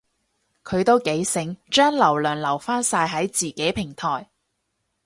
佢都幾醒，將流量留返晒喺自己平台